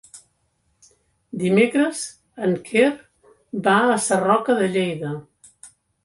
Dimecres en Quer va a Sarroca de Lleida.